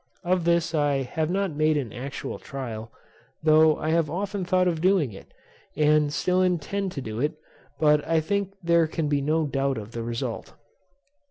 Of this I have not made an actual trial, though I have often thought of doing it, and still intend to do it; but I think there can be no doubt of the result.